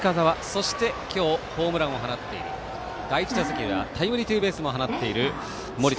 そして、今日ホームランを放っている第１打席ではタイムリーツーベースも放っています。